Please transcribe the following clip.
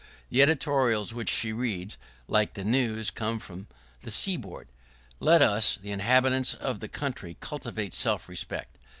The editorials which she reads, like the news, come from the seaboard. Let us, the inhabitants of the country, cultivate self respect.